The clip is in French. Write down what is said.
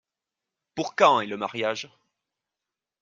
Pour quand est le mariage ?